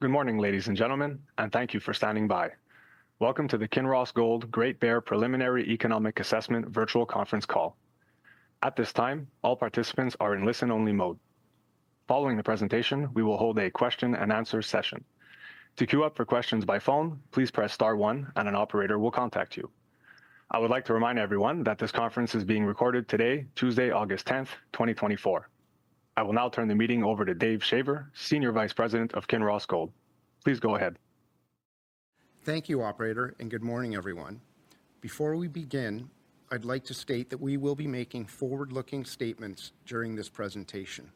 Good morning, ladies and gentlemen, and thank you for standing by. Welcome to the Kinross Gold Great Bear Preliminary Economic Assessment Virtual Conference Call. At this time, all participants are in listen-only mode. Following the presentation, we will hold a question and answer session. To queue up for questions by phone, please press star one and an operator will contact you. I would like to remind everyone that this conference is being recorded today, Tuesday, August 10th, 2024. I will now turn the meeting over to Dave Shaver, Senior Vice President of Kinross Gold. Please go ahead. Thank you, operator, and good morning, everyone. Before we begin, I'd like to state that we will be making forward-looking statements during this presentation.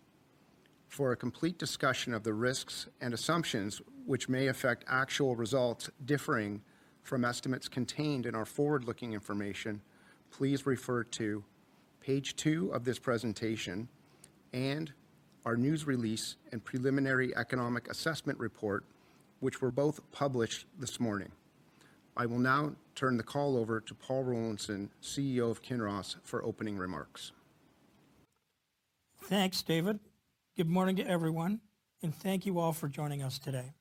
For a complete discussion of the risks and assumptions which may affect actual results differing from estimates contained in our forward-looking information, please refer to page two of this presentation and our news release and preliminary economic assessment report, which were both published this morning. I will now turn the call over to Paul Rollinson, CEO of Kinross, for opening remarks. Thanks, David. Good morning to everyone, and thank you all for joining us today.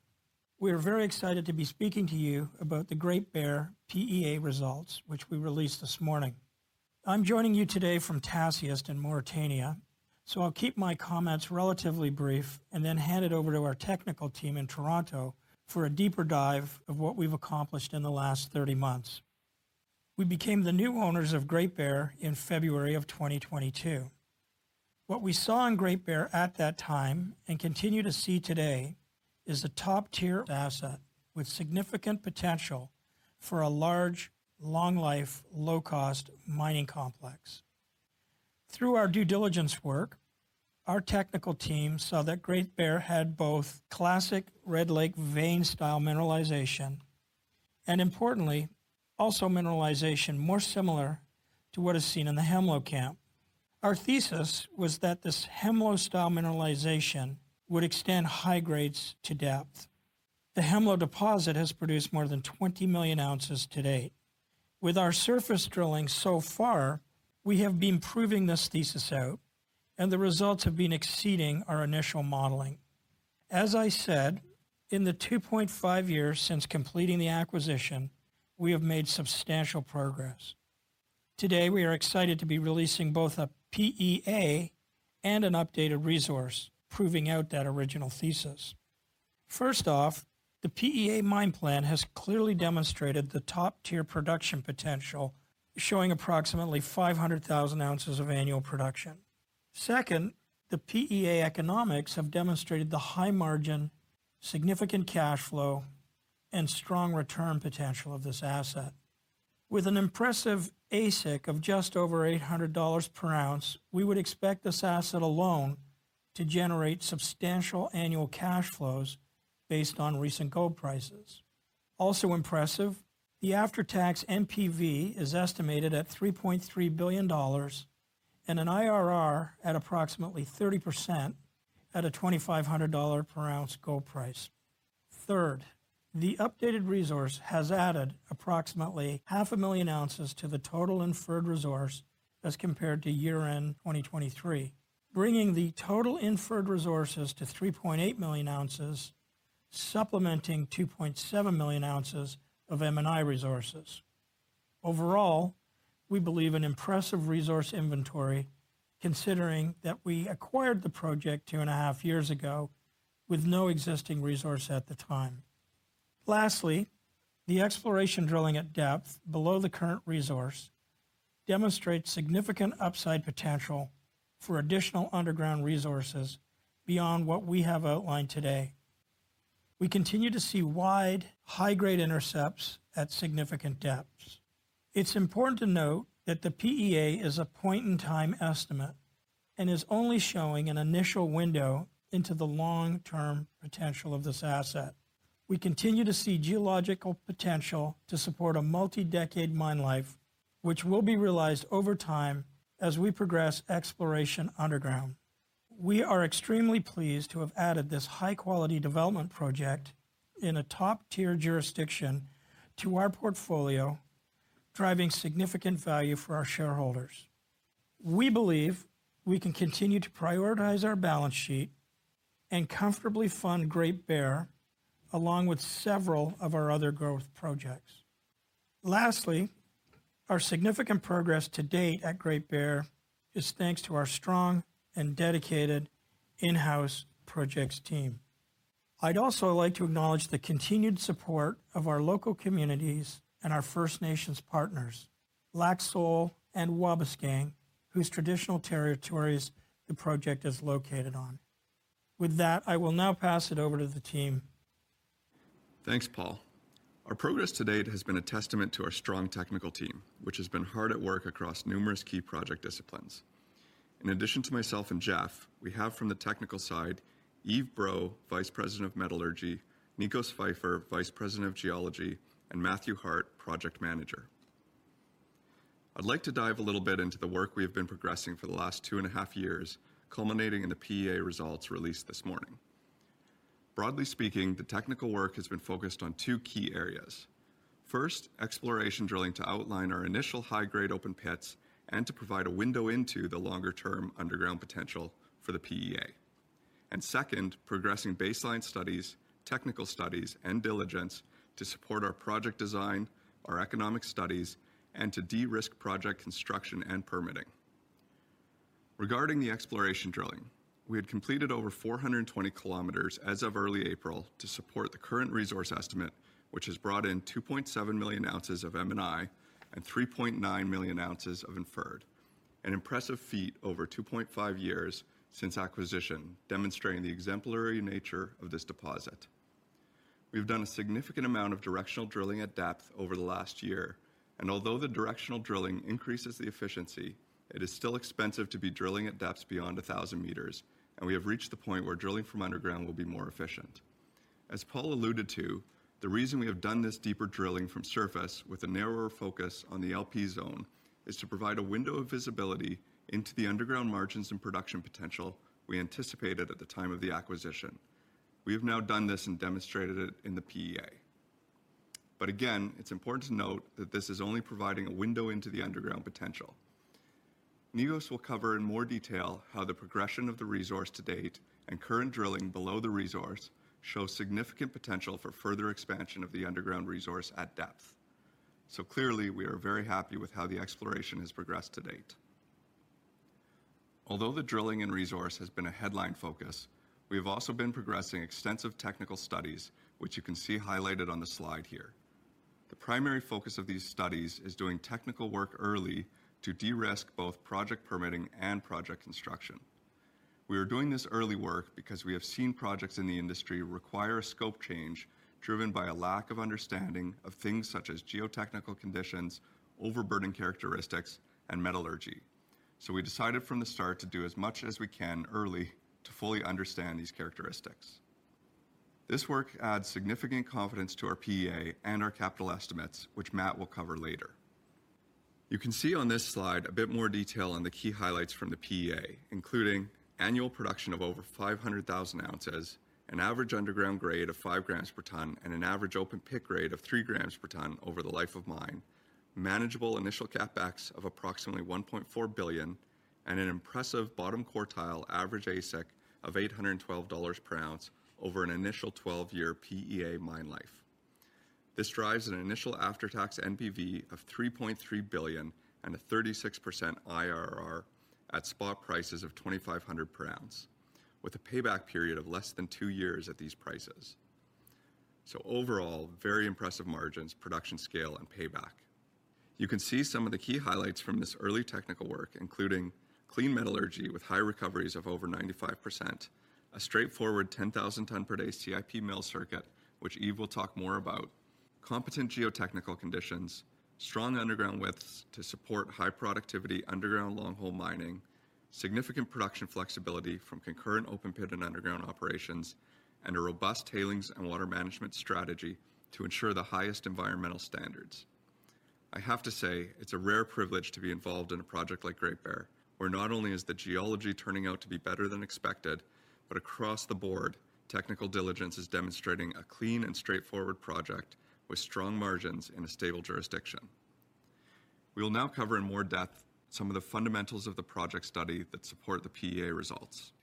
We're very excited to be speaking to you about the Great Bear PEA results, which we released this morning. I'm joining you today from Tasiast in Mauritania, so I'll keep my comments relatively brief and then hand it over to our technical team in Toronto for a deeper dive of what we've accomplished in the last 30 months. We became the new owners of Great Bear in February of 2022. What we saw in Great Bear at that time, and continue to see today, is a top-tier asset with significant potential for a large, long-life, low-cost mining complex. Through our due diligence work, our technical team saw that Great Bear had both classic Red Lake vein-style mineralization and, importantly, also mineralization more similar to what is seen in the Hemlo Camp. Our thesis was that this Hemlo-style mineralization would extend high grades to depth. The Hemlo deposit has produced more than 20 million ounces to date. With our surface drilling so far, we have been proving this thesis out, and the results have been exceeding our initial modeling. As I said, in the 2.5 years since completing the acquisition, we have made substantial progress. Today, we are excited to be releasing both a PEA and an updated resource, proving out that original thesis. First off, the PEA mine plan has clearly demonstrated the top-tier production potential, showing approximately 500,000 ounces of annual production. Second, the PEA economics have demonstrated the high margin, significant cash flow, and strong return potential of this asset. With an impressive AISC of just over $800 per ounce, we would expect this asset alone to generate substantial annual cash flows based on recent gold prices. Also impressive, the after-tax NPV is estimated at $3.3 billion and an IRR at approximately 30% at a $2,500 per ounce gold price. Third, the updated resource has added approximately 500,000 ounces to the total inferred resource as compared to year-end 2023, bringing the total inferred resources to 3.8 million ounces, supplementing 2.7 million ounces of M&I resources. Overall, we believe an impressive resource inventory, considering that we acquired the project 2.5 years ago with no existing resource at the time. Lastly, the exploration drilling at depth below the current resource demonstrates significant upside potential for additional underground resources beyond what we have outlined today. We continue to see wide, high-grade intercepts at significant depths. It's important to note that the PEA is a point-in-time estimate and is only showing an initial window into the long-term potential of this asset. We continue to see geological potential to support a multi-decade mine life, which will be realized over time as we progress exploration underground. We are extremely pleased to have added this high-quality development project in a top-tier jurisdiction to our portfolio, driving significant value for our shareholders. We believe we can continue to prioritize our balance sheet and comfortably fund Great Bear, along with several of our other growth projects. Lastly, our significant progress to date at Great Bear is thanks to our strong and dedicated in-house projects team. I'd also like to acknowledge the continued support of our local communities and our First Nations partners, Lac Seul and Wabauskang, whose traditional territories the project is located on. With that, I will now pass it over to the team. Thanks, Paul. Our progress to date has been a testament to our strong technical team, which has been hard at work across numerous key project disciplines. In addition to myself and Geoff, we have from the technical side, Yves Breau, Vice President of Metallurgy, Nicos Pfeiffer, Vice President of Geology, and Matthew Hart, Project Manager. I'd like to dive a little bit into the work we have been progressing for the last two and a half years, culminating in the PEA results released this morning. Broadly speaking, the technical work has been focused on two key areas.... First, exploration drilling to outline our initial high-grade open pits and to provide a window into the longer-term underground potential for the PEA. And second, progressing baseline studies, technical studies, and diligence to support our project design, our economic studies, and to de-risk project construction and permitting. Regarding the exploration drilling, we had completed over 420 km as of early April to support the current resource estimate, which has brought in 2.7 million ounces of M&I and 3.9 million ounces of Inferred. An impressive feat over 2.5 years since acquisition, demonstrating the exemplary nature of this deposit. We've done a significant amount of directional drilling at depth over the last year, and although the directional drilling increases the efficiency, it is still expensive to be drilling at depths beyond 1,000 m, and we have reached the point where drilling from underground will be more efficient. As Paul alluded to, the reason we have done this deeper drilling from surface with a narrower focus on the LP Zone, is to provide a window of visibility into the underground margins and production potential we anticipated at the time of the acquisition. We have now done this and demonstrated it in the PEA. But again, it's important to note that this is only providing a window into the underground potential. Nicos will cover in more detail how the progression of the resource to date and current drilling below the resource shows significant potential for further expansion of the underground resource at depth. So clearly, we are very happy with how the exploration has progressed to date. Although the drilling and resource has been a headline focus, we have also been progressing extensive technical studies, which you can see highlighted on the slide here. The primary focus of these studies is doing technical work early to de-risk both project permitting and project construction. We are doing this early work because we have seen projects in the industry require a scope change driven by a lack of understanding of things such as geotechnical conditions, overburden characteristics, and metallurgy. So we decided from the start to do as much as we can early to fully understand these characteristics. This work adds significant confidence to our PEA and our capital estimates, which Matt will cover later. You can see on this slide a bit more detail on the key highlights from the PEA, including annual production of over 500,000 ounces, an average underground grade of five grams per tonne, and an average open pit grade of three grams per tonne over the life of mine, manageable initial CapEx of approximately $1.4 billion, and an impressive bottom quartile average AISC of $812 per ounce over an initial 12-year PEA mine life. This drives an initial after-tax NPV of $3.3 billion and a 36% IRR at spot prices of $2,500 per ounce, with a payback period of less than 2 years at these prices. So overall, very impressive margins, production scale, and payback. You can see some of the key highlights from this early technical work, including clean metallurgy with high recoveries of over 95%, a straightforward 10,000 tonne per day CIP mill circuit, which Yves will talk more about, competent geotechnical conditions, strong underground widths to support high productivity underground longhole mining, significant production flexibility from concurrent open pit and underground operations, and a robust tailings and water management strategy to ensure the highest environmental standards. I have to say, it's a rare privilege to be involved in a project like Great Bear, where not only is the geology turning out to be better than expected, but across the board, technical diligence is demonstrating a clean and straightforward project with strong margins in a stable jurisdiction. We will now cover in more depth some of the fundamentals of the project study that support the PEA results.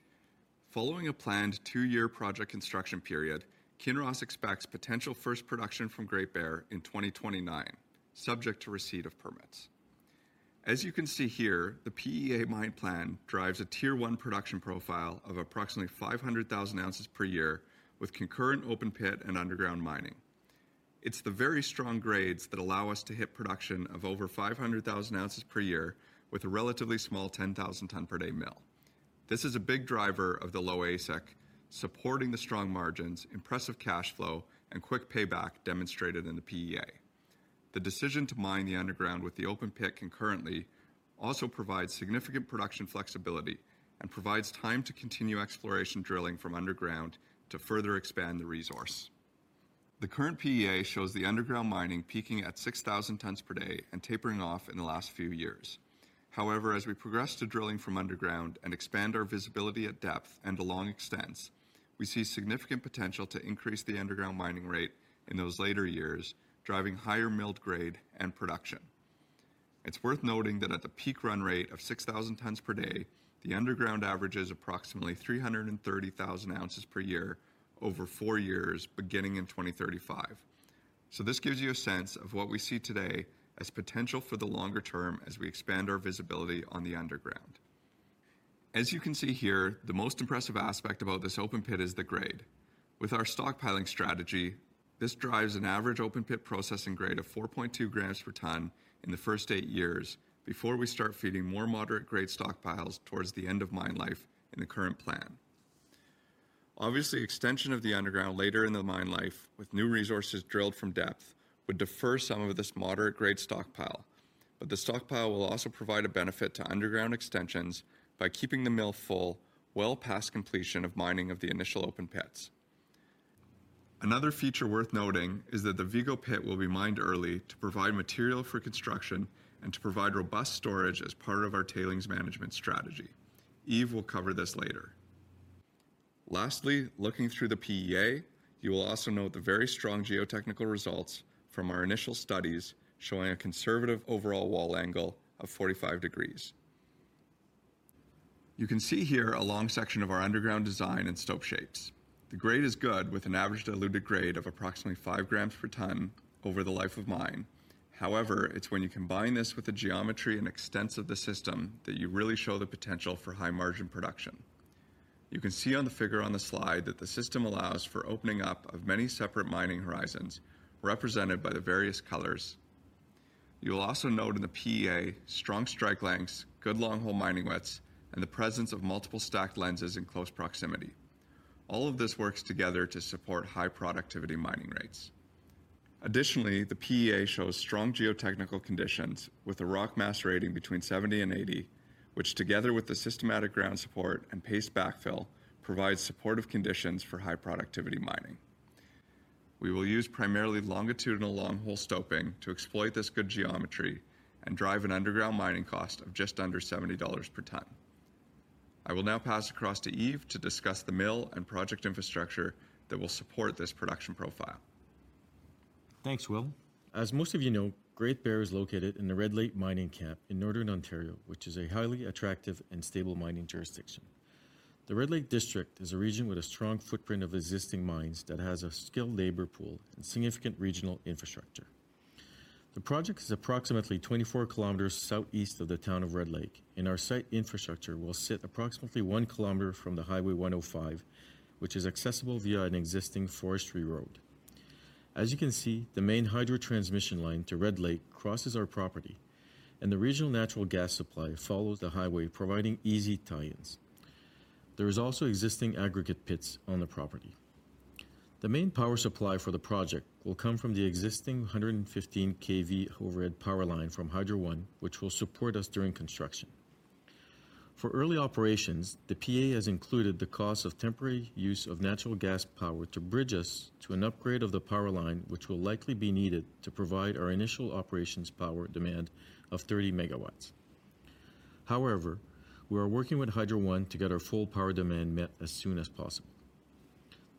Following a planned two-year project construction period, Kinross expects potential first production from Great Bear in 2029, subject to receipt of permits. As you can see here, the PEA mine plan drives a Tier 1 production profile of approximately 500,000 ounces per year, with concurrent open pit and underground mining. It's the very strong grades that allow us to hit production of over 500,000 ounces per year with a relatively small 10,000 tonne per day mill. This is a big driver of the low AISC, supporting the strong margins, impressive cash flow, and quick payback demonstrated in the PEA. The decision to mine the underground with the open pit concurrently also provides significant production flexibility and provides time to continue exploration drilling from underground to further expand the resource. The current PEA shows the underground mining peaking at six thousand tonnes per day and tapering off in the last few years. However, as we progress to drilling from underground and expand our visibility at depth and along extents, we see significant potential to increase the underground mining rate in those later years, driving higher milled grade and production. It's worth noting that at the peak run rate of six thousand tonnes per day, the underground average is approximately three hundred and thirty thousand ounces per year over four years, beginning in twenty thirty-five, so this gives you a sense of what we see today as potential for the longer term as we expand our visibility on the underground. As you can see here, the most impressive aspect about this open pit is the grade. With our stockpiling strategy, this drives an average open pit processing grade of 4.2 grams per tonne in the first eight years before we start feeding more moderate grade stockpiles towards the end of mine life in the current plan. Obviously, extension of the underground later in the mine life, with new resources drilled from depth, would defer some of this moderate-grade stockpile. But the stockpile will also provide a benefit to underground extensions by keeping the mill full well past completion of mining of the initial open pits. Another feature worth noting is that the Vigo Pit will be mined early to provide material for construction and to provide robust storage as part of our tailings management strategy. Yves will cover this later... Lastly, looking through the PEA, you will also note the very strong geotechnical results from our initial studies, showing a conservative overall wall angle of 45 degrees. You can see here a long section of our underground design and stope shapes. The grade is good, with an average diluted grade of approximately five grams per tonne over the life of mine. However, it's when you combine this with the geometry and extents of the system, that you really show the potential for high-margin production. You can see on the figure on the slide that the system allows for opening up of many separate mining horizons, represented by the various colors. You will also note in the PEA, strong strike lengths, good long hole mining widths, and the presence of multiple stacked lenses in close proximity. All of this works together to support high productivity mining rates. Additionally, the PEA shows strong geotechnical conditions with a rock mass rating between 70 and 80, which, together with the systematic ground support and paste backfill, provides supportive conditions for high productivity mining. We will use primarily longitudinal long hole stoping to exploit this good geometry and drive an underground mining cost of just under $70 per tonne. I will now pass across to Yves to discuss the mill and project infrastructure that will support this production profile. Thanks, Will. As most of you know, Great Bear is located in the Red Lake mining camp in northern Ontario, which is a highly attractive and stable mining jurisdiction. The Red Lake district is a region with a strong footprint of existing mines that has a skilled labor pool and significant regional infrastructure. The project is approximately 24 kilometers southeast of the town of Red Lake, and our site infrastructure will sit approximately 1 kilometer from the Highway 105, which is accessible via an existing forestry road. As you can see, the main hydro transmission line to Red Lake crosses our property, and the regional natural gas supply follows the highway, providing easy tie-ins. There is also existing aggregate pits on the property. The main power supply for the project will come from the existing 115 kV overhead power line from Hydro One, which will support us during construction. For early operations, the PEA has included the cost of temporary use of natural gas power to bridge us to an upgrade of the power line, which will likely be needed to provide our initial operations power demand of 30 megawatts. However, we are working with Hydro One to get our full power demand met as soon as possible.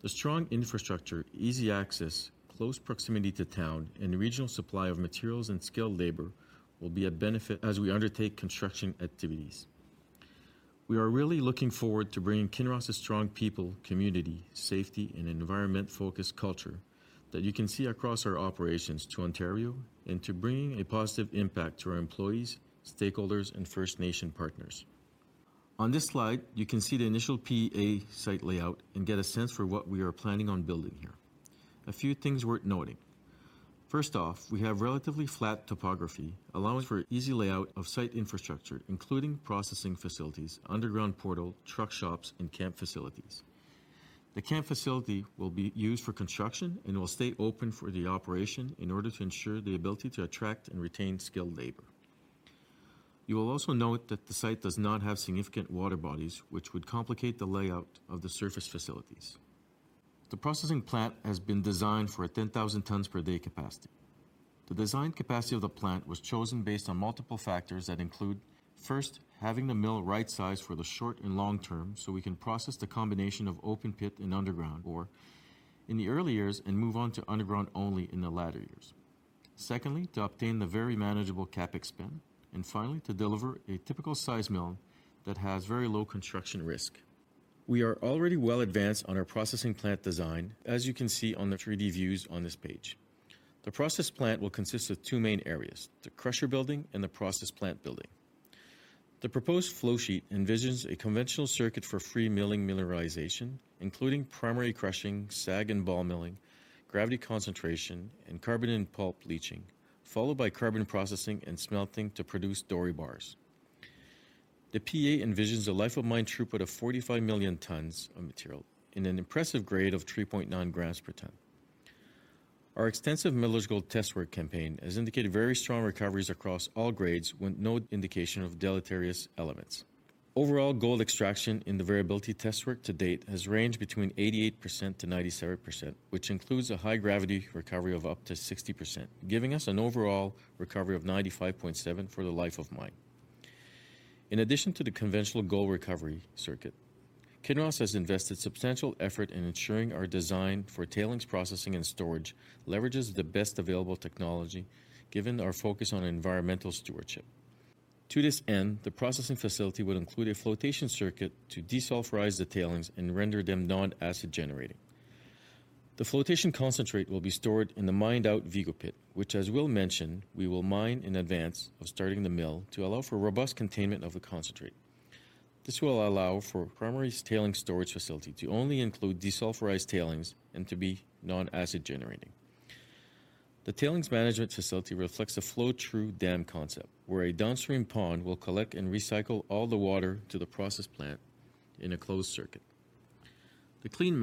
The strong infrastructure, easy access, close proximity to town, and regional supply of materials and skilled labor will be a benefit as we undertake construction activities. We are really looking forward to bringing Kinross' strong people, community, safety, and environment-focused culture that you can see across our operations to Ontario and to bringing a positive impact to our employees, stakeholders, and First Nation partners. On this slide, you can see the initial PEA site layout and get a sense for what we are planning on building here. A few things worth noting. First off, we have relatively flat topography, allowing for easy layout of site infrastructure, including processing facilities, underground portal, truck shops, and camp facilities. The camp facility will be used for construction and will stay open for the operation in order to ensure the ability to attract and retain skilled labor. You will also note that the site does not have significant water bodies, which would complicate the layout of the surface facilities. The processing plant has been designed for a 10,000 tons per day capacity. The design capacity of the plant was chosen based on multiple factors that include, first, having the mill right-sized for the short and long term, so we can process the combination of open pit and underground ore in the early years and move on to underground only in the latter years. Secondly, to obtain the very manageable CapEx spend, and finally, to deliver a typical size mill that has very low construction risk. We are already well advanced on our processing plant design, as you can see on the 3D views on this page. The process plant will consist of two main areas, the crusher building and the process plant building. The proposed flow sheet envisions a conventional circuit for free milling mineralization, including primary crushing, SAG and ball milling, gravity concentration, and carbon-in-pulp leaching, followed by carbon processing and smelting to produce Doré bars. The PEA envisions a life of mine throughput of 45 million tons of material in an impressive grade of 3.9 grams per tonne. Our extensive metallurgy test work campaign has indicated very strong recoveries across all grades, with no indication of deleterious elements. Overall gold extraction in the variability test work to date has ranged between 88% to 97%, which includes a high gravity recovery of up to 60%, giving us an overall recovery of 95.7% for the life of mine. In addition to the conventional gold recovery circuit, Kinross has invested substantial effort in ensuring our design for tailings, processing, and storage leverages the best available technology, given our focus on environmental stewardship. To this end, the processing facility will include a flotation circuit to desulfurize the tailings and render them non-acid generating. The flotation concentrate will be stored in the mined-out Vigo Pit, which, as Will mentioned, we will mine in advance of starting the mill to allow for robust containment of the concentrate. This will allow for primary tailings storage facility to only include desulfurized tailings and to be non-acid generating. The tailings management facility reflects a flow-through dam concept, where a downstream pond will collect and recycle all the water to the process plant in a closed circuit. The clean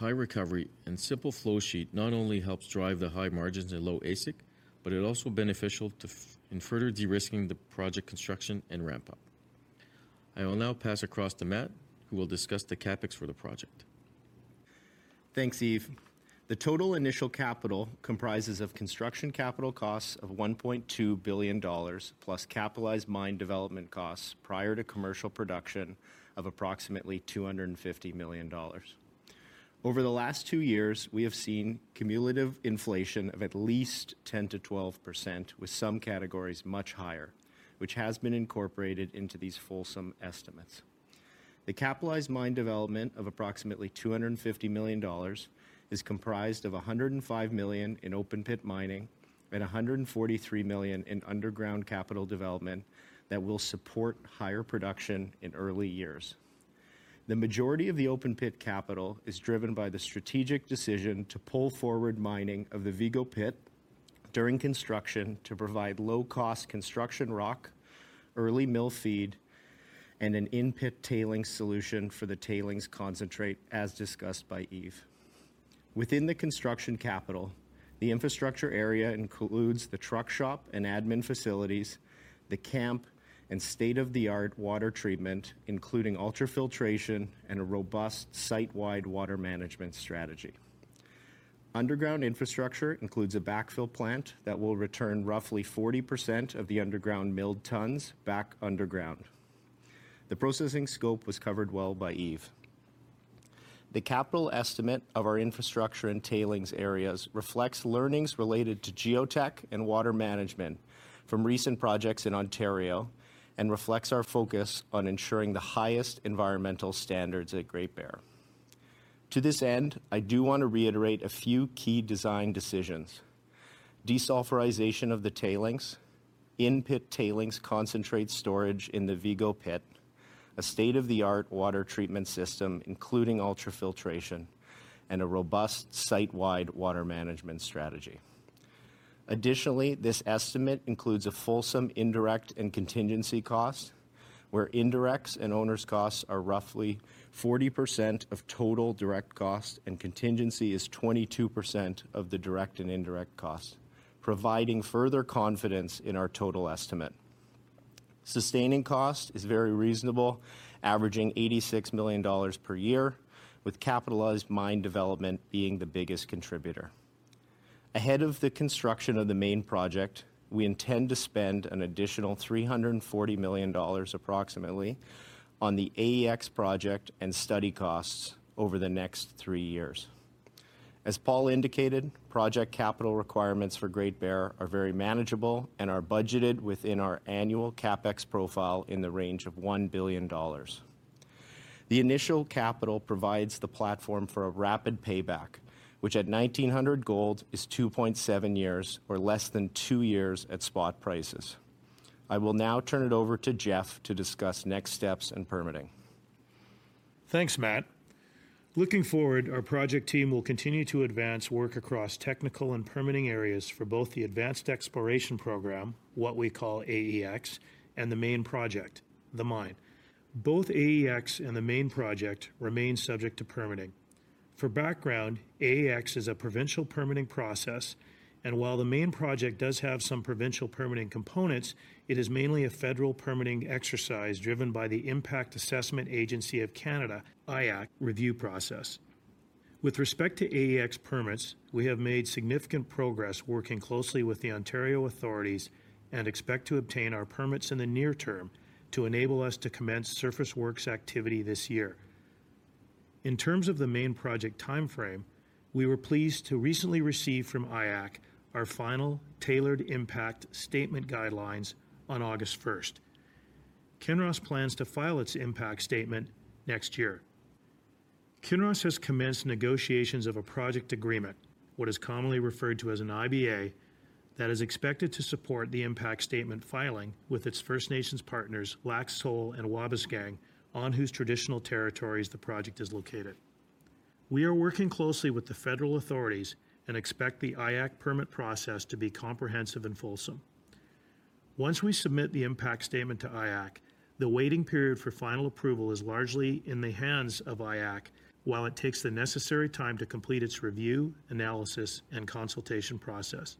metallurgy, high recovery, and simple flow sheet not only helps drive the high margins and low AISC, but it also beneficial to in further de-risking the project construction and ramp up. I will now pass across to Matt, who will discuss the CapEx for the project.... Thanks, Yves. The total initial capital comprises of construction capital costs of $1.2 billion, plus capitalized mine development costs prior to commercial production of approximately $250 million. Over the last two years, we have seen cumulative inflation of at least 10%-12%, with some categories much higher, which has been incorporated into these fulsome estimates. The capitalized mine development of approximately $250 million is comprised of $105 million in open pit mining and $143 million in underground capital development that will support higher production in early years. The majority of the open pit capital is driven by the strategic decision to pull forward mining of the Vigo Pit during construction to provide low-cost construction rock, early mill feed, and an in-pit tailings solution for the tailings concentrate, as discussed by Yves. Within the construction capital, the infrastructure area includes the truck shop and admin facilities, the camp, and state-of-the-art water treatment, including ultrafiltration and a robust site-wide water management strategy. Underground infrastructure includes a backfill plant that will return roughly 40% of the underground milled tons back underground. The processing scope was covered well by Yves. The capital estimate of our infrastructure and tailings areas reflects learnings related to geotech and water management from recent projects in Ontario and reflects our focus on ensuring the highest environmental standards at Great Bear. To this end, I do want to reiterate a few key design decisions. Desulfurization of the tailings, in-pit tailings concentrate storage in the Vigo Pit, a state-of-the-art water treatment system, including ultrafiltration, and a robust site-wide water management strategy. Additionally, this estimate includes a fulsome indirect and contingency cost, where indirects and owner's costs are roughly 40% of total direct cost, and contingency is 22% of the direct and indirect cost, providing further confidence in our total estimate. Sustaining cost is very reasonable, averaging $86 million per year, with capitalized mine development being the biggest contributor. Ahead of the construction of the main project, we intend to spend an additional $340 million, approximately, on the AEX project and study costs over the next three years. As Paul indicated, project capital requirements for Great Bear are very manageable and are budgeted within our annual CapEx profile in the range of $1 billion. The initial capital provides the platform for a rapid payback, which at $1,900 gold is 2.7 years, or less than two years at spot prices. I will now turn it over to Geoff to discuss next steps and permitting. Thanks, Matt. Looking forward, our project team will continue to advance work across technical and permitting areas for both the advanced exploration program, what we call AEX, and the main project, the mine. Both AEX and the main project remain subject to permitting. For background, AEX is a provincial permitting process, and while the main project does have some provincial permitting components, it is mainly a federal permitting exercise driven by the Impact Assessment Agency of Canada, IAAC, review process. With respect to AEX permits, we have made significant progress working closely with the Ontario authorities and expect to obtain our permits in the near term to enable us to commence surface works activity this year. In terms of the main project timeframe, we were pleased to recently receive from IAAC our final tailored impact statement guidelines on August first. Kinross plans to file its impact statement next year. Kinross has commenced negotiations of a project agreement, what is commonly referred to as an IBA, that is expected to support the impact statement filing with its First Nations partners, Lac Seul and Wabauskang, on whose traditional territories the project is located. We are working closely with the federal authorities and expect the IAAC permit process to be comprehensive and fulsome. Once we submit the impact statement to IAAC, the waiting period for final approval is largely in the hands of IAAC while it takes the necessary time to complete its review, analysis, and consultation process.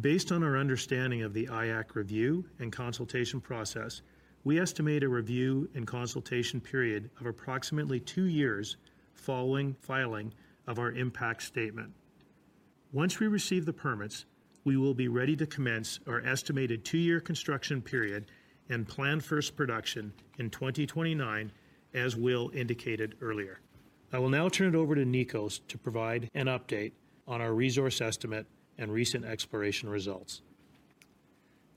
Based on our understanding of the IAAC review and consultation process, we estimate a review and consultation period of approximately two years following filing of our impact statement. Once we receive the permits, we will be ready to commence our estimated two-year construction period and plan first production in 2029, as Will indicated earlier. I will now turn it over to Nicos to provide an update on our resource estimate and recent exploration results.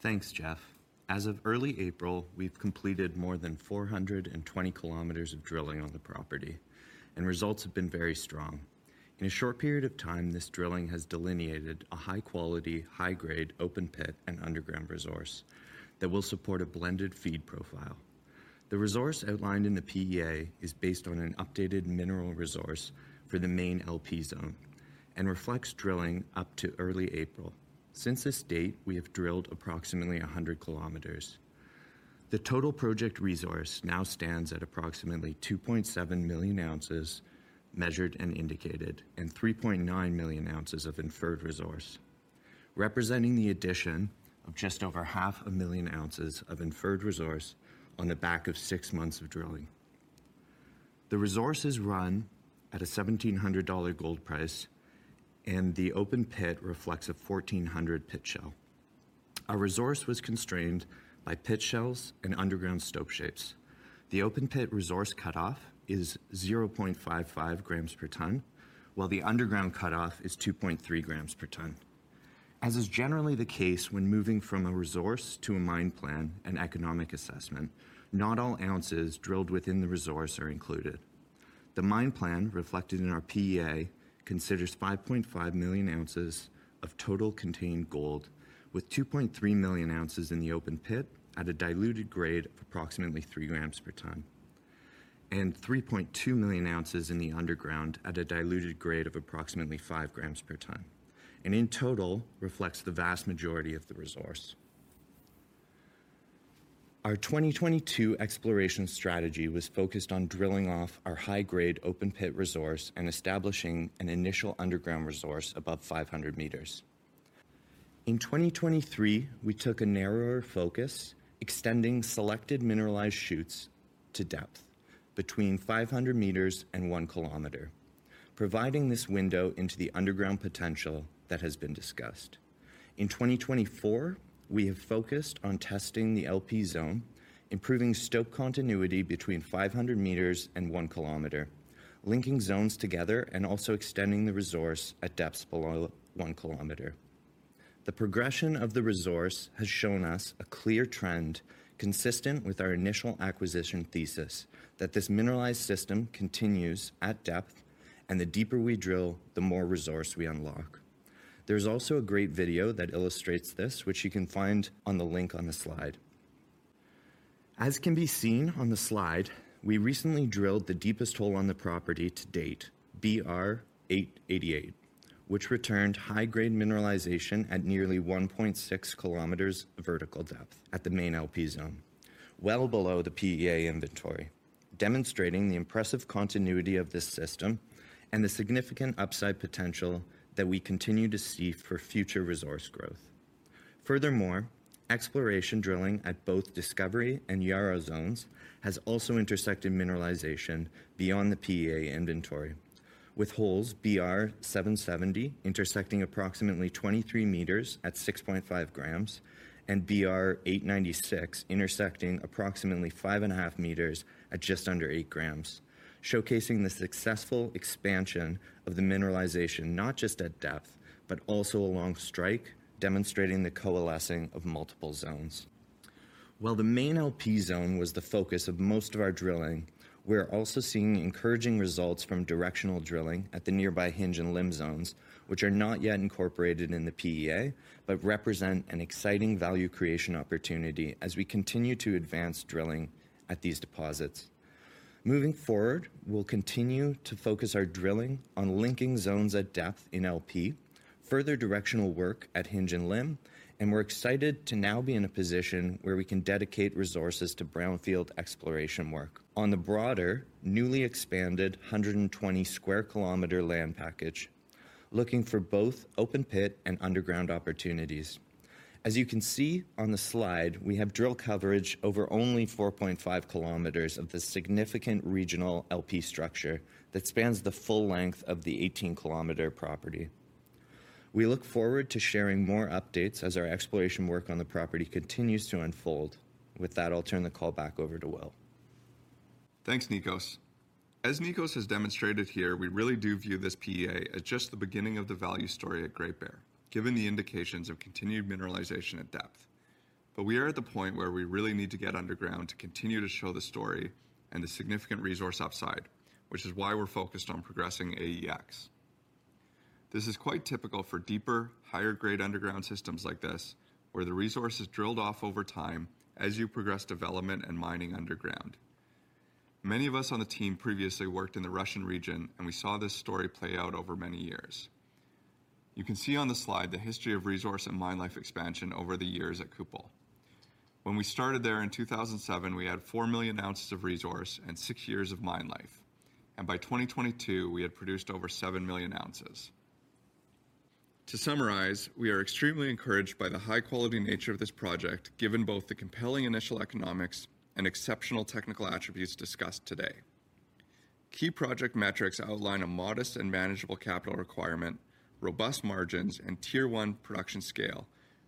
Thanks, Geoff. As of early April, we've completed more than 420 km of drilling on the property, and results have been very strong. In a short period of time, this drilling has delineated a high-quality, high-grade open pit and underground resource that will support a blended feed profile. The resource outlined in the PEA is based on an updated mineral resource for the main LP zone and reflects drilling up to early April. Since this date, we have drilled approximately 100 km. The total project resource now stands at approximately 2.7 million ounces measured and indicated, and 3.9 million ounces of inferred resource, representing the addition of just over 500,000 ounces of inferred resource on the back of six months of drilling. The resources run at a $1,700 gold price, and the open pit reflects a $1,400 pit shell. Our resource was constrained by pit shells and underground stope shapes. The open pit resource cutoff is 0.55 grams per ton, while the underground cutoff is 2.3 grams per ton. As is generally the case when moving from a resource to a mine plan and economic assessment, not all ounces drilled within the resource are included. The mine plan, reflected in our PEA, considers 5.5 million ounces of total contained gold, with 2.3 million ounces in the open pit at a diluted grade of approximately 3 grams per ton, and 3.2 million ounces in the underground at a diluted grade of approximately 5 grams per ton, and in total, reflects the vast majority of the resource. Our 2022 exploration strategy was focused on drilling off our high-grade open pit resource and establishing an initial underground resource above 500 meters. In 2023, we took a narrower focus, extending selected mineralized shoots to depth between 500 meters and one kilometer, providing this window into the underground potential that has been discussed. In 2024, we have focused on testing the LP Zone, improving stope continuity between 500 meters and one kilometer, linking zones together and also extending the resource at depths below one kilometer. The progression of the resource has shown us a clear trend consistent with our initial acquisition thesis, that this mineralized system continues at depth, and the deeper we drill, the more resource we unlock. There's also a great video that illustrates this, which you can find on the link on the slide. As can be seen on the slide, we recently drilled the deepest hole on the property to date, BR-888, which returned high-grade mineralization at nearly 1.6 kilometers vertical depth at the main LP Zone, well below the PEA inventory, demonstrating the impressive continuity of this system and the significant upside potential that we continue to see for future resource growth. Furthermore, exploration drilling at both Discovery and Yarrow zones has also intersected mineralization beyond the PEA inventory, with holes BR-770 intersecting approximately 23 meters at 6.5 grams and BR-896 intersecting approximately 5.5 meters at just under 8 grams, showcasing the successful expansion of the mineralization not just at depth, but also along strike, demonstrating the coalescing of multiple zones. While the main LP Zone was the focus of most of our drilling, we are also seeing encouraging results from directional drilling at the nearby Hinge and Limb Zones, which are not yet incorporated in the PEA, but represent an exciting value creation opportunity as we continue to advance drilling at these deposits. Moving forward, we'll continue to focus our drilling on linking zones at depth in LP, further directional work at Hinge and Limb, and we're excited to now be in a position where we can dedicate resources to brownfield exploration work on the broader, newly expanded 120 sq km land package, looking for both open pit and underground opportunities. As you can see on the slide, we have drill coverage over only 4.5 km of the significant regional LP structure that spans the full length of the 18-km property. We look forward to sharing more updates as our exploration work on the property continues to unfold. With that, I'll turn the call back over to Will. Thanks, Nicos. As Nicos has demonstrated here, we really do view this PEA as just the beginning of the value story at Great Bear, given the indications of continued mineralization at depth. But we are at the point where we really need to get underground to continue to show the story and the significant resource upside, which is why we're focused on progressing AEX. This is quite typical for deeper, higher-grade underground systems like this, where the resource is drilled off over time as you progress development and mining underground. Many of us on the team previously worked in the Russian region, and we saw this story play out over many years. You can see on the slide the history of resource and mine life expansion over the years at Kupol. When we started there in 2007, we had four million ounces of resource and six years of mine life, and by 2022, we had produced over seven million ounces. To summarize, we are extremely encouraged by the high-quality nature of this project, given both the compelling initial economics and exceptional technical attributes discussed today. Key project metrics outline a modest and manageable capital requirement, robust margins, and Tier 1 production scale,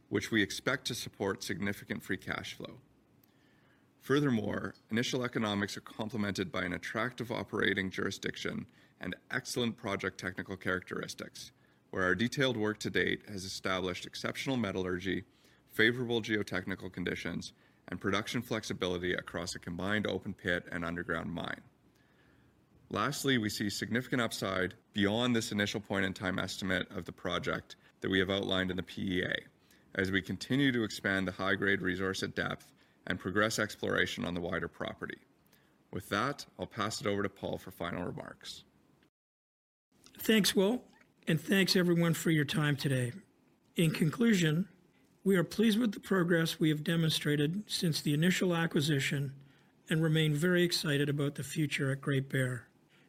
which we expect to support significant free cash flow. Furthermore, initial economics are complemented by an attractive operating jurisdiction and excellent project technical characteristics, where our detailed work to date has established exceptional metallurgy, favorable geotechnical conditions, and production flexibility across a combined open pit and underground mine. Lastly, we see significant upside beyond this initial point in time estimate of the project that we have outlined in the PEA as we continue to expand the high-grade resource at depth and progress exploration on the wider property. With that, I'll pass it over to Paul for final remarks. Thanks, Will, and thanks everyone for your time today. In conclusion-... We are pleased with the progress we have demonstrated since the initial acquisition, and remain very excited about the future at Great Bear.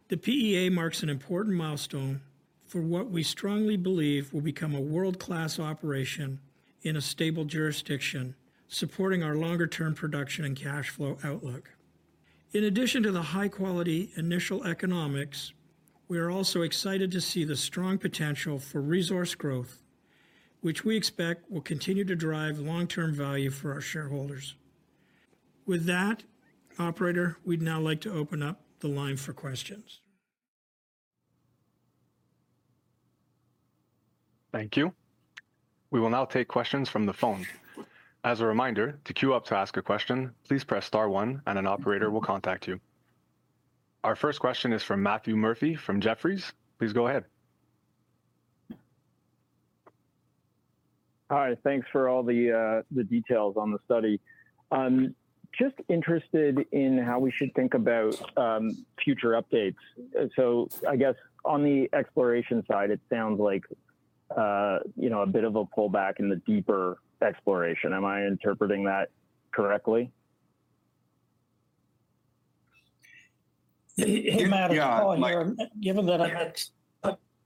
The PEA marks an important milestone for what we strongly believe will become a world-class operation in a stable jurisdiction, supporting our longer term production and cash flow outlook. In addition to the high quality initial economics, we are also excited to see the strong potential for resource growth, which we expect will continue to drive long-term value for our shareholders. With that, operator, we'd now like to open up the line for questions. Thank you. We will now take questions from the phone. As a reminder, to queue up to ask a question, please press star one and an operator will contact you. Our first question is from Matthew Murphy from Jefferies. Please go ahead. Hi, thanks for all the details on the study. Just interested in how we should think about future updates. So I guess on the exploration side, it sounds like, you know, a bit of a pullback in the deeper exploration. Am I interpreting that correctly? Hey, hey, Matt.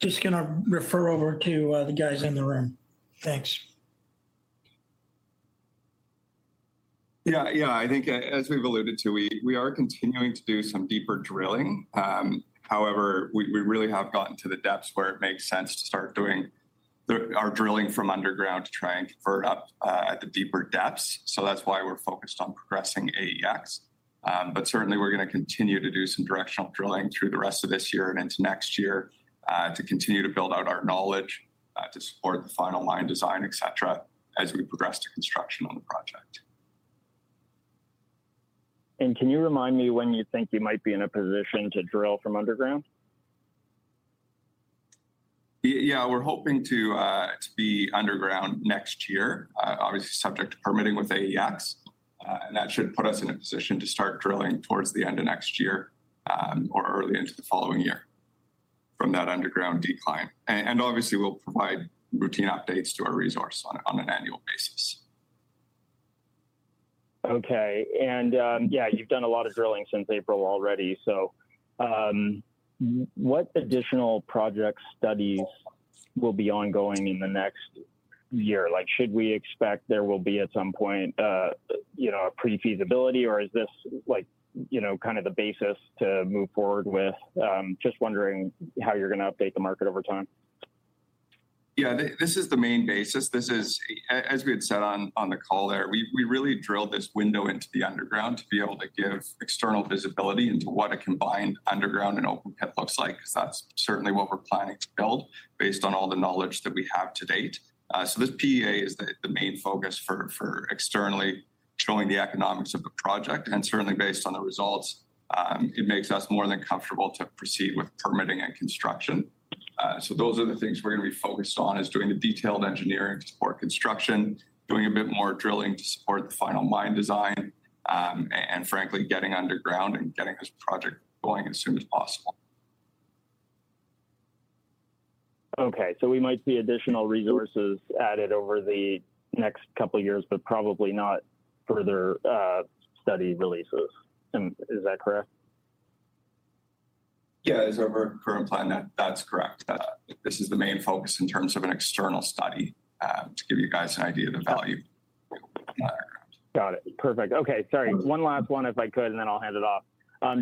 Just gonna refer over to the guys in the room. Thanks. Yeah, yeah, I think as we've alluded to, we are continuing to do some deeper drilling. However, we really have gotten to the depths where it makes sense to start doing our drilling from underground to try and convert up at the deeper depths. So that's why we're focused on progressing AEX. But certainly we're gonna continue to do some directional drilling through the rest of this year and into next year to continue to build out our knowledge to support the final line design, et cetera, as we progress to construction on the project. Can you remind me when you think you might be in a position to drill from underground? Yeah, we're hoping to be underground next year. Obviously subject to permitting with AEX, and that should put us in a position to start drilling towards the end of next year, or early into the following year from that underground decline. And obviously, we'll provide routine updates to our resource on an annual basis. Okay, and, yeah, you've done a lot of drilling since April already, so, what additional project studies will be ongoing in the next year? Like, should we expect there will be, at some point, you know, a pre-feasibility, or is this like, you know, kind of the basis to move forward with? Just wondering how you're gonna update the market over time. Yeah, this is the main basis. This is as we had said on the call there, we really drilled this window into the underground to be able to give external visibility into what a combined underground and open pit looks like, because that's certainly what we're planning to build based on all the knowledge that we have to date. So this PEA is the main focus for externally showing the economics of the project, and certainly based on the results, it makes us more than comfortable to proceed with permitting and construction. So those are the things we're gonna be focused on, is doing the detailed engineering to support construction, doing a bit more drilling to support the final mine design, and frankly, getting underground and getting this project going as soon as possible. Okay, so we might see additional resources added over the next couple of years, but probably not further study releases. Is that correct? Yeah, as our current plan, that's correct. This is the main focus in terms of an external study, to give you guys an idea of the value in the underground. Got it. Perfect. Okay, sorry, one last one, if I could, and then I'll hand it off.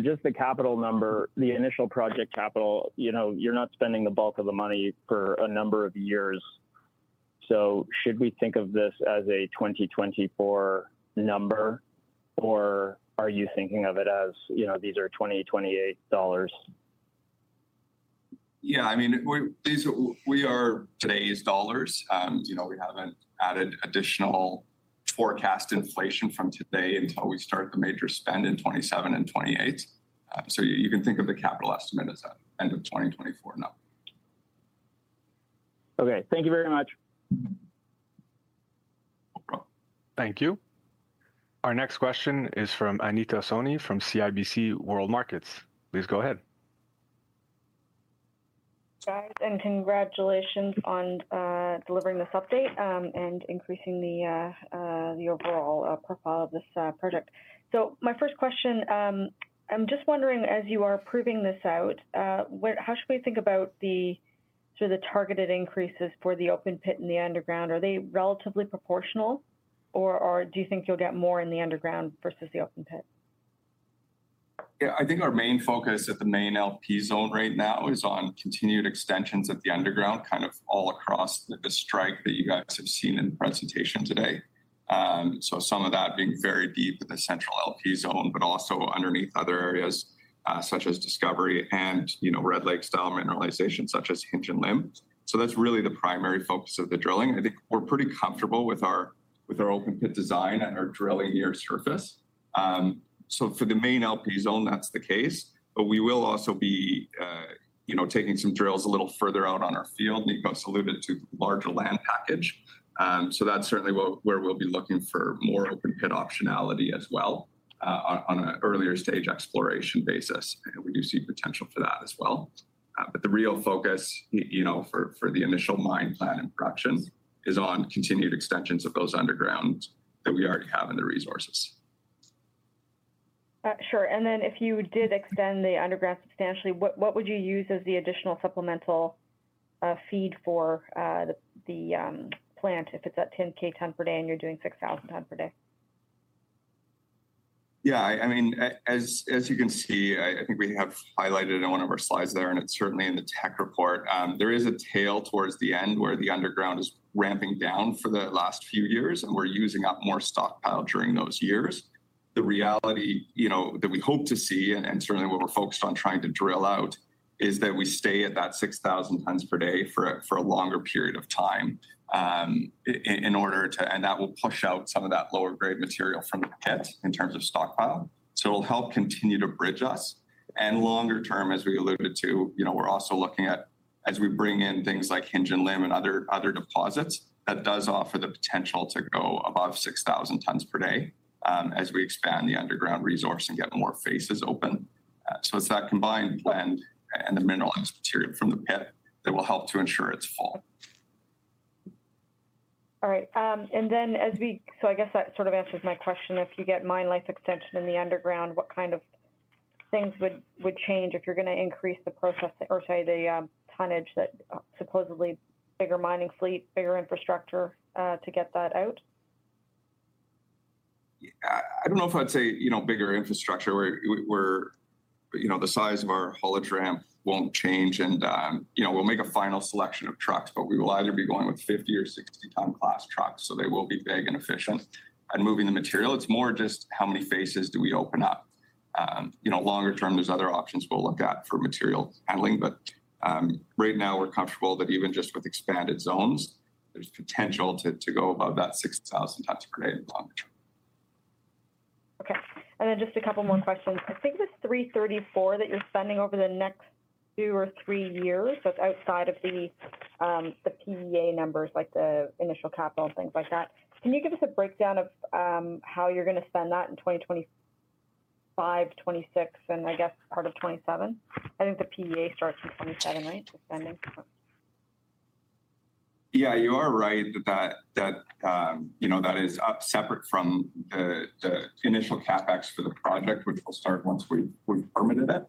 Just the capital number, the initial project capital, you know, you're not spending the bulk of the money for a number of years. So should we think of this as a 2024 number, or are you thinking of it as, you know, these are 2028 dollars? Yeah, I mean, these are today's dollars. You know, we haven't added additional forecast inflation from today until we start the major spend in 2027 and 2028. So you can think of the capital estimate as an end of 2024 number. Okay, thank you very much. Thank you. Our next question is from Anita Soni, from CIBC World Markets. Please go ahead. Guys, and congratulations on delivering this update, and increasing the overall profile of this project. So my first question, I'm just wondering, as you are proving this out, how should we think about sort of the targeted increases for the open pit and the underground? Are they relatively proportional, or do you think you'll get more in the underground versus the open pit? Yeah, I think our main focus at the main LP Zone right now is on continued extensions at the underground, kind of all across the strike that you guys have seen in the presentation today. So some of that being very deep in the central LP Zone, but also underneath other areas, such as Discovery and, you know, Red Lake-style mineralization, such as Hinge and Limb. So that's really the primary focus of the drilling. I think we're pretty comfortable with our, with our open pit design and our drilling near surface. So for the main LP Zone, that's the case. But we will also be, you know, taking some drills a little further out on our field. Nico alluded to larger land package. So that's certainly where, where we'll be looking for more open pit optionality as well. on an earlier stage exploration basis, and we do see potential for that as well, but the real focus, you know, for the initial mine plan and production is on continued extensions of those underground that we already have in the resources. Sure. And then if you did extend the underground substantially, what would you use as the additional supplemental feed for the plant, if it's at 10K ton per day, and you're doing 6,000 ton per day? Yeah, I mean, as you can see, I think we have highlighted in one of our slides there, and it's certainly in the tech report. There is a tail towards the end where the underground is ramping down for the last few years, and we're using up more stockpile during those years. The reality, you know, that we hope to see, and certainly what we're focused on trying to drill out, is that we stay at that 6,000 tons per day for a longer period of time, in order to... And that will push out some of that lower grade material from the pit in terms of stockpile. So it'll help continue to bridge us, and longer term, as we alluded to, you know, we're also looking at, as we bring in things like Hinge and Limb and other deposits, that does offer the potential to go above 6,000 tons per day, as we expand the underground resource and get more faces open. So it's that combined blend and the mineralized material from the pit that will help to ensure it's full. All right, and then so I guess that sort of answers my question. If you get mine life extension in the underground, what kind of things would change if you're gonna increase the process, or sorry, the tonnage that supposedly bigger mining fleet, bigger infrastructure to get that out? I don't know if I'd say, you know, bigger infrastructure. We're the size of our haulage ramp won't change, and you know, we'll make a final selection of trucks, but we will either be going with 50- or 60-ton class trucks, so they will be big and efficient at moving the material. It's more just how many faces do we open up? You know, longer term, there's other options we'll look at for material handling, but right now we're comfortable that even just with expanded zones, there's potential to go above that 6,000 tons per day in the longer term. Okay. And then just a couple more questions. I think the 334 that you're spending over the next two or three years, that's outside of the, the PEA numbers, like the initial capital and things like that. Can you give us a breakdown of, how you're gonna spend that in 2025, 2026, and I guess part of 2027? I think the PEA starts in 2027, right, the spending? Yeah, you are right that that is up separate from the initial CapEx for the project, which will start once we've permitted it.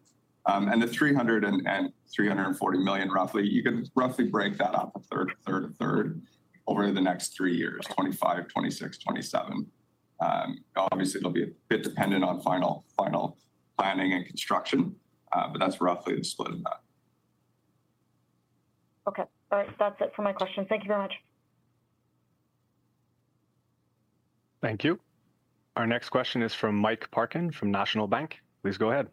And the $340 million, roughly, you can roughly break that up a third, a third, a third over the next three years, 2025, 2026, 2027. Obviously, it'll be a bit dependent on final planning and construction, but that's roughly the split of that. Okay. All right. That's it for my question. Thank you very much. Thank you. Our next question is from Mike Parkin, from National Bank. Please go ahead.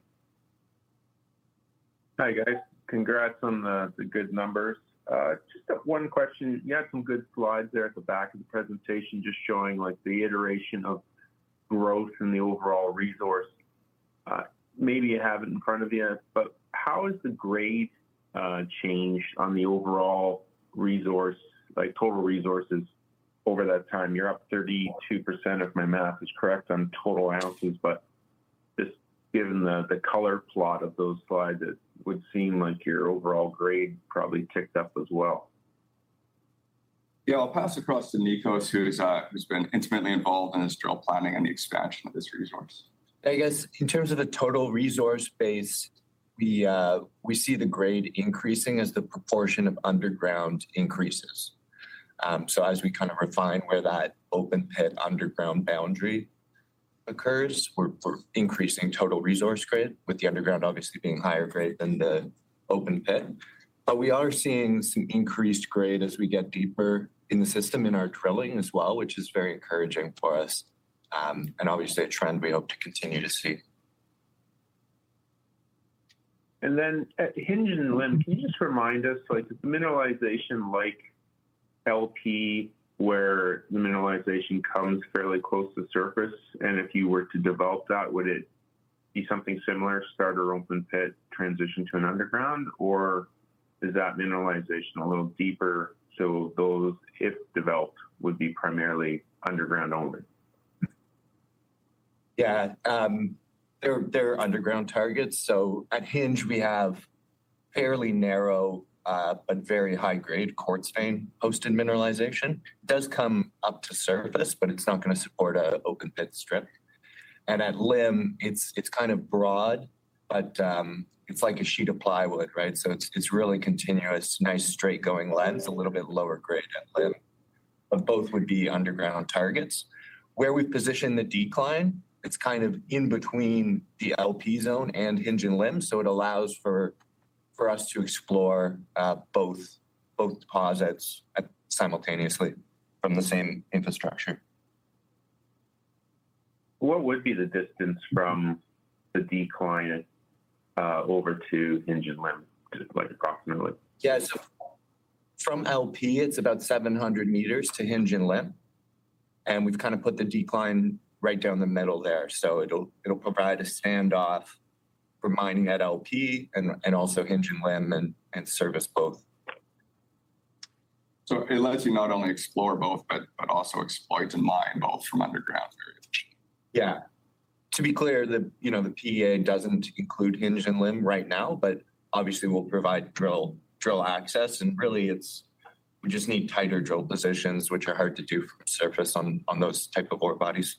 Hi, guys. Congrats on the good numbers. Just have one question. You had some good slides there at the back of the presentation, just showing, like, the iteration of growth in the overall resource. Maybe you have it in front of you, but how has the grade changed on the overall resource, like, total resources over that time? You're up 32%, if my math is correct, on total ounces, but just given the color plot of those slides, it would seem like your overall grade probably ticked up as well. Yeah, I'll pass across to Nicos, who's been intimately involved in this drill planning and the expansion of this resource. Hey, guys. In terms of the total resource base, we see the grade increasing as the proportion of underground increases. So as we kind of refine where that open pit underground boundary occurs, we're increasing total resource grade, with the underground obviously being higher grade than the open pit. But we are seeing some increased grade as we get deeper in the system in our drilling as well, which is very encouraging for us, and obviously a trend we hope to continue to see. And then, Hinge and Limb, can you just remind us, like, is the mineralization like LP, where the mineralization comes fairly close to the surface, and if you were to develop that, would it be something similar, start or open pit transition to an underground, or is that mineralization a little deeper, so those, if developed, would be primarily underground only? Yeah, they're underground targets. So at Hinge, we have fairly narrow, but very high-grade quartz vein-hosted mineralization. It does come up to surface, but it's not gonna support a open pit strip. And at Limb, it's kind of broad, but it's like a sheet of plywood, right? So it's really continuous, nice, straight-going lens, a little bit lower grade at Limb, but both would be underground targets. Where we've positioned the decline, it's kind of in between the LP zone and Hinge and Limb, so it allows for us to explore both deposits simultaneously from the same infrastructure. What would be the distance from the decline over to Hinge and Limb, like, approximately? Yeah, so from LP, it's about seven hundred meters to Hinge and Limb, and we've kind of put the decline right down the middle there. So it'll provide a standoff for mining at LP and also Hinge and Limb and service both-... So it lets you not only explore both, but also exploit and mine both from underground areas? Yeah. To be clear that, you know, the PEA doesn't include Hinge and Limb right now, but obviously we'll provide drill access, and really it's, we just need tighter drill positions, which are hard to do from surface on those type of ore bodies.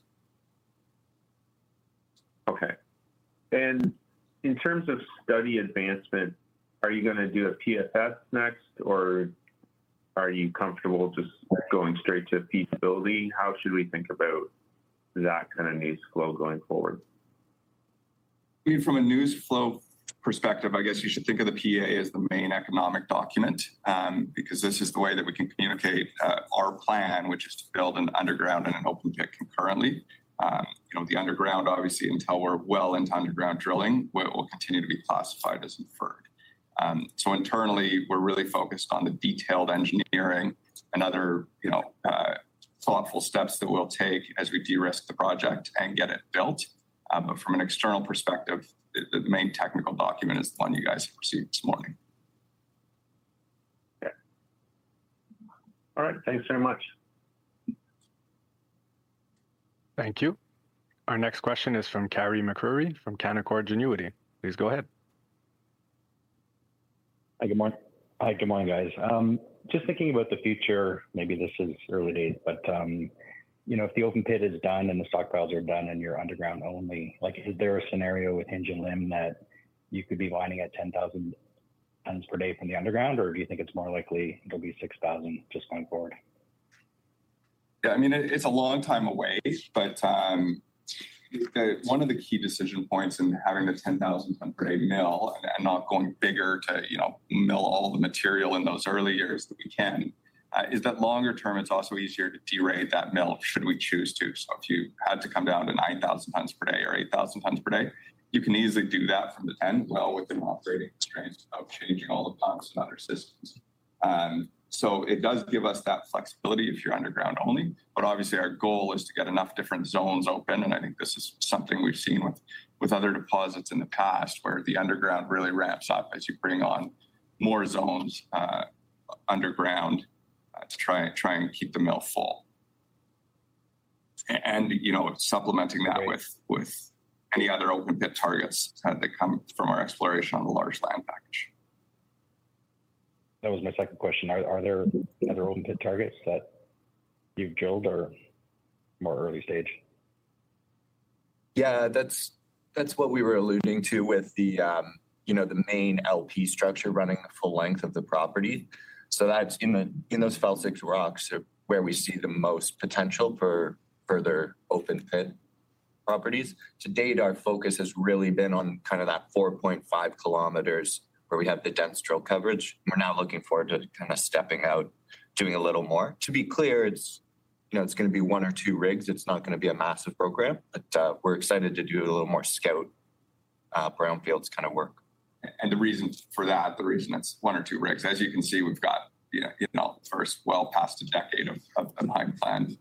Okay. And in terms of study advancement, are you gonna do a PFS next, or are you comfortable just going straight to feasibility? How should we think about that kind of news flow going forward? I mean, from a news flow perspective, I guess you should think of the PEA as the main economic document, because this is the way that we can communicate our plan, which is to build an underground and an open pit concurrently. You know, the underground, obviously, until we're well into underground drilling, where it will continue to be classified as inferred. So internally, we're really focused on the detailed engineering and other, you know, thoughtful steps that we'll take as we de-risk the project and get it built. But from an external perspective, the main technical document is the one you guys have received this morning. Yeah. All right, thanks very much. Thank you. Our next question is from Carey MacRury from Canaccord Genuity. Please go ahead. Hi, good morning. Hi, good morning, guys. Just thinking about the future, maybe this is early days, but, you know, if the open pit is done and the stockpiles are done and you're underground only, like, is there a scenario with Hinge and Limb that you could be mining at 10,000 tons per day from the underground, or do you think it's more likely it'll be 6,000 just going forward? Yeah, I mean, it's a long time away, but one of the key decision points in having the 10,000-ton-per-day mill and not going bigger to, you know, mill all the material in those early years that we can is that longer term, it's also easier to derate that mill, should we choose to. So if you had to come down to 9,000 tons per day or 8,000 tons per day, you can easily do that from the 10,000-ton mill with an operating experience of changing all the pumps and other systems. So it does give us that flexibility if you're underground only, but obviously our goal is to get enough different zones open, and I think this is something we've seen with other deposits in the past, where the underground really ramps up as you bring on more zones underground to try and keep the mill full. And, you know, supplementing that with- Right... with any other open pit targets that come from our exploration on the large land package. That was my second question. Are there other open pit targets that you've drilled or more early stage? Yeah, that's, that's what we were alluding to with the, you know, the main LP structure running the full length of the property. So that's in the, in those felsic rocks are where we see the most potential for further open pit properties. To date, our focus has really been on kind of that 4.5 kilometers, where we have the dense drill coverage. We're now looking forward to kind of stepping out, doing a little more. To be clear, it's, you know, it's gonna be one or two rigs. It's not gonna be a massive program, but, we're excited to do a little more scout brownfields kind of work. And the reason for that, the reason it's one or two rigs, as you can see, we've got, you know, well past a decade of the mine plan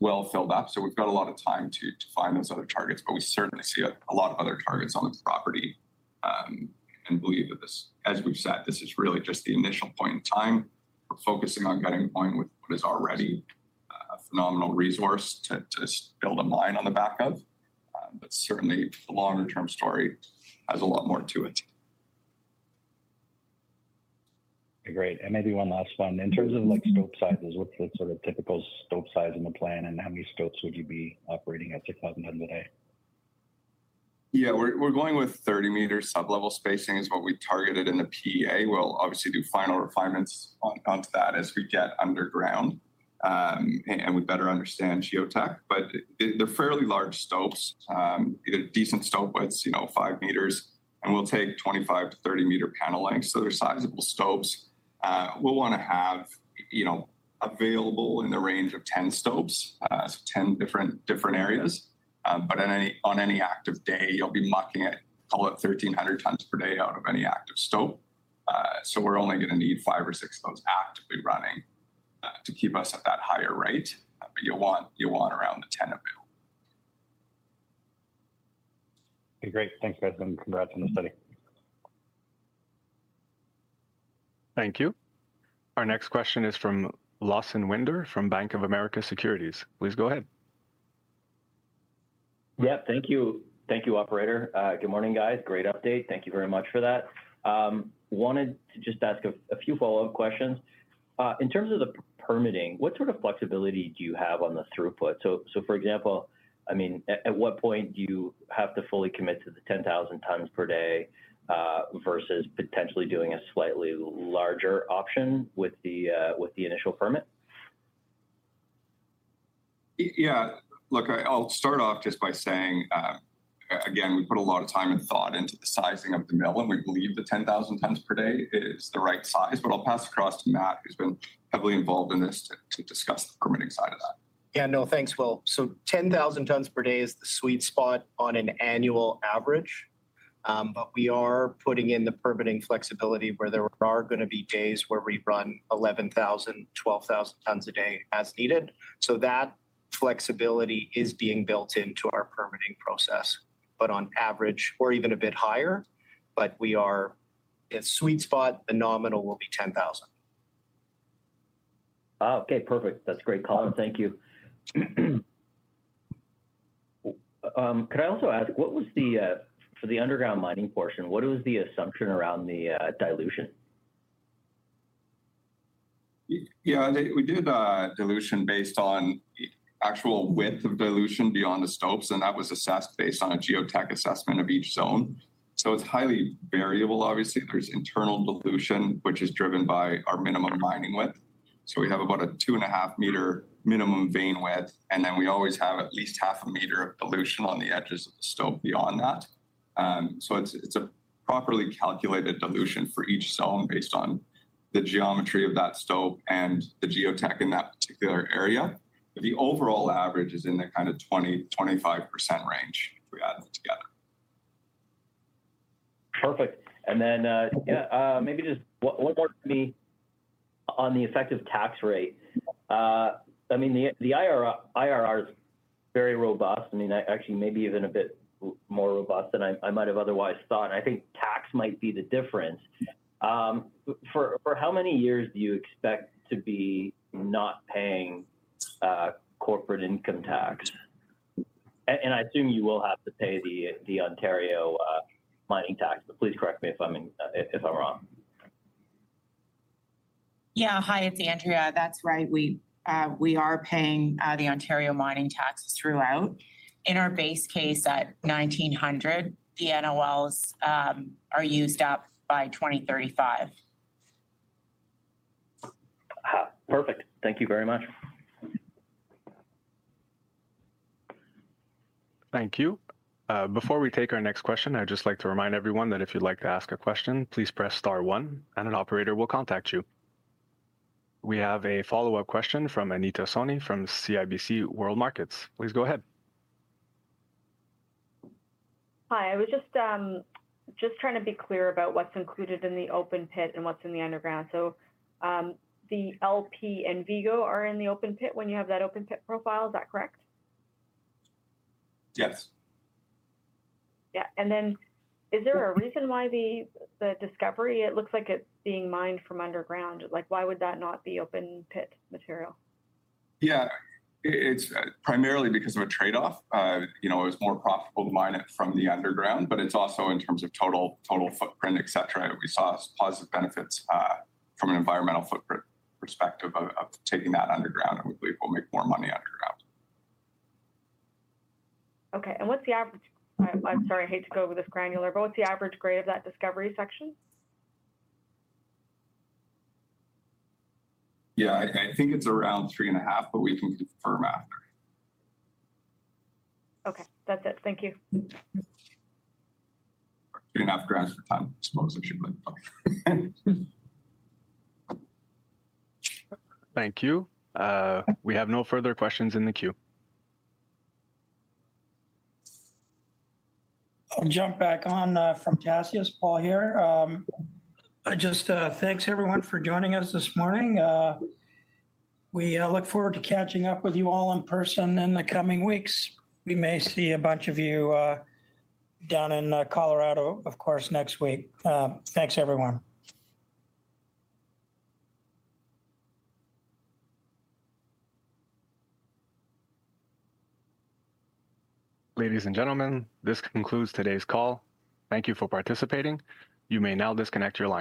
well filled up. So we've got a lot of time to find those other targets, but we certainly see a lot of other targets on the property, and believe that this. As we've said, this is really just the initial point in time. We're focusing on getting going with what is already a phenomenal resource to build a mine on the back of, but certainly the longer-term story has a lot more to it. Great. And maybe one last one. In terms of, like, stope sizes, what's the sort of typical stope size in the plan, and how many stopes would you be operating at 6,000 tons a day? Yeah, we're going with 30 meters. Sublevel spacing is what we targeted in the PEA. We'll obviously do final refinements on that as we get underground, and we better understand geotech, but they're fairly large stopes. Decent stope widths, you know, five meters, and we'll take 25- to 30-meter panel lengths, so they're sizable stopes. We'll wanna have, you know, available in the range of 10 stopes, so 10 different areas. but on any active day, you'll be mucking at call it 1,300 tons per day out of any active stope. so we're only gonna need five or six of those actively running to keep us at that higher rate, but you want around the 10 available. Okay, great. Thank you, guys, and congrats on the study. Thank you. Our next question is from Lawson Winder from Bank of America Securities. Please go ahead. Yeah, thank you. Thank you, operator. Good morning, guys. Great update. Thank you very much for that. Wanted to just ask a few follow-up questions. In terms of the permitting, what sort of flexibility do you have on the throughput? So for example, I mean, at what point do you have to fully commit to the 10,000 tons per day versus potentially doing a slightly larger option with the initial permit? Yeah, look, I'll start off just by saying, again, we put a lot of time and thought into the sizing of the mill, and we believe the 10,000 tons per day is the right size, but I'll pass across to Matt, who's been heavily involved in this, to discuss the permitting side of that. Yeah, no, thanks, Will. So 10,000 tons per day is the sweet spot on an annual average, but we are putting in the permitting flexibility where there are gonna be days where we run 11,000, 12,000 tons a day as needed. So that- ... flexibility is being built into our permitting process, but on average or even a bit higher, but we are at sweet spot, the nominal will be 10,000. Okay, perfect. That's great, Colin, thank you. Could I also ask, what was the for the underground mining portion, what was the assumption around the dilution? Yeah, we did dilution based on actual width of dilution beyond the stopes, and that was assessed based on a geotech assessment of each zone. So it's highly variable, obviously. There's internal dilution, which is driven by our minimum mining width. So we have about a 2.5-meter minimum vein width, and then we always have at least 0.5 meter of dilution on the edges of the stope beyond that. So it's a properly calculated dilution for each zone based on the geometry of that stope and the geotech in that particular area. The overall average is in the kind of 20-25% range if we add them together. Perfect. And then, maybe just one more for me on the effective tax rate. I mean, the IRR is very robust. I mean, actually maybe even a bit more robust than I might have otherwise thought. I think tax might be the difference. For how many years do you expect to be not paying corporate income tax? And I assume you will have to pay the Ontario mining tax, but please correct me if I'm wrong. Yeah. Hi, it's Andrea. That's right. We are paying the Ontario mining taxes throughout. In our base case, at $1,900, the NOLs are used up by 2035. Ah, perfect. Thank you very much. Thank you. Before we take our next question, I'd just like to remind everyone that if you'd like to ask a question, please press star one, and an operator will contact you. We have a follow-up question from Anita Soni from CIBC World Markets. Please go ahead. Hi, I was just, just trying to be clear about what's included in the open pit and what's in the underground. So, the LP and Vigo are in the open pit when you have that open pit profile, is that correct? Yes. Yeah, and then is there a reason why the discovery, it looks like it's being mined from underground? Like, why would that not be open pit material? Yeah, it's primarily because of a trade-off. You know, it was more profitable to mine it from the underground, but it's also in terms of total footprint, et cetera. We saw positive benefits from an environmental footprint perspective of taking that underground, and we believe we'll make more money underground. Okay, and I'm sorry, I hate to go over this granularly, but what's the average grade of that Discovery Zone? Yeah, I think it's around three and a half, but we can confirm after. Okay, that's it. Thank you. Three and a half grams per tonne, I suppose I should like. Thank you. We have no further questions in the queue. I'll jump back on from Cassius. Paul here. I just thanks everyone for joining us this morning. We look forward to catching up with you all in person in the coming weeks. We may see a bunch of you down in Colorado, of course, next week. Thanks, everyone. Ladies and gentlemen, this concludes today's call. Thank you for participating. You may now disconnect your lines.